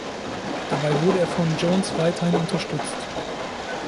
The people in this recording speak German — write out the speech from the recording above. Dabei wurde er von Jones weiterhin unterstützt.